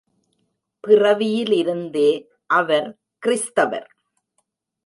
பிறவியிலிருந்தே அவர் கிறிஸ்தவர்.